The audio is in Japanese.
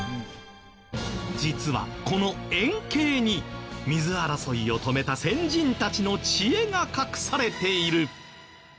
実はこの円形に水争いを止めた先人たちの知恵が隠されている。